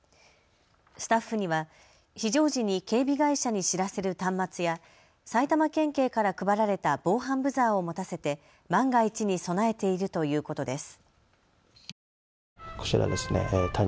スタッフには非常時に警備会社に知らせる端末や埼玉県警から配られた防犯ブザーを持たせて万が一に備えているということです。